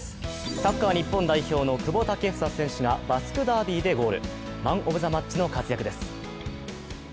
サッカー日本代表の久保建英選手がバスクダービーでゴール、マン・オブ・ザ・マッチの活躍です。